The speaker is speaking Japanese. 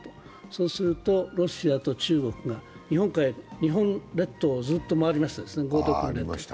そうすると、ロシアと中国が日本列島をずっと回りましたね、合同訓練で。